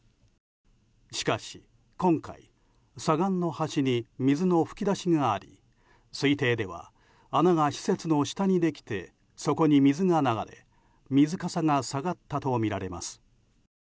しかし、今回左岸の端に水の噴き出しがあり推定では穴が施設の下にできてそこに水が流れ水かさが下がったとみられます。